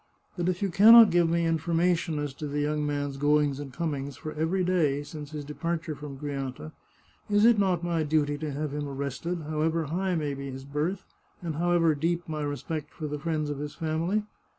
But if you can not give me information as to the young man's goings and comings for every day since his departure from Grianta, is it not my duty to have him arrested, however high may be his birth, and however deep my respect for the friends of his family?